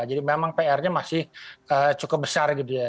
jadi memang pr nya masih cukup besar gitu ya